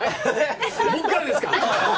僕からですか？